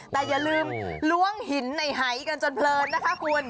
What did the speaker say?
แต่อย่าลืมล้วงหินในหายกันจนเพลินนะคะคุณ